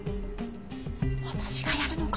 私がやるのか。